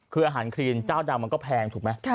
คืออาหารครีนเจ้าดังมันก็แพงถูกไหม